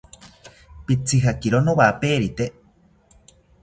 Pitzijakiro nowaperite